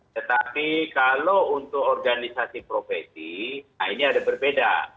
tetapi kalau untuk organisasi profesi nah ini ada berbeda